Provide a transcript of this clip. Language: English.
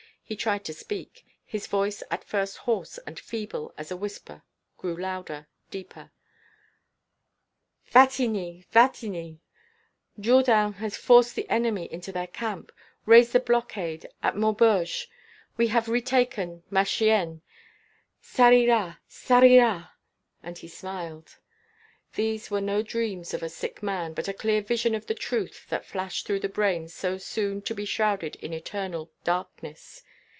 He tried to speak; his voice, at first hoarse and feeble as a whisper, grew louder, deeper: "Wattignies! Wattignies!... Jourdan has forced the enemy into their camp ... raised the blockade at Maubeuge.... We have retaken Marchiennes, ça ira ... ça ira ..." and he smiled. These were no dreams of a sick man, but a clear vision of the truth that flashed through the brain so soon to be shrouded in eternal darkness.